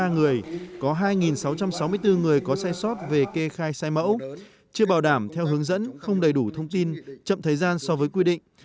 ba người có hai sáu trăm sáu mươi bốn người có sai sót về kê khai sai mẫu chưa bảo đảm theo hướng dẫn không đầy đủ thông tin chậm thời gian so với quy định